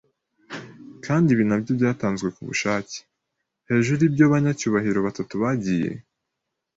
Kandi ibi nabyo byatanzwe kubushake. Hejuru yibyo banyacyubahiro batatu bagiye